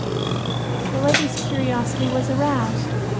The lady's curiosity was aroused.